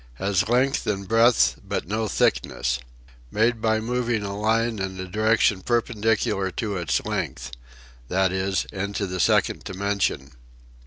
Has length and breadth but no thickness. Made by moving a line in a direction perpendicular to its length (that is, into the second dimension.